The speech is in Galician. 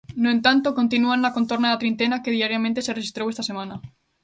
No entanto, continúan na contorna da trintena que diariamente se rexistrou esta semana.